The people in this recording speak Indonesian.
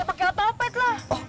pakai otopet lah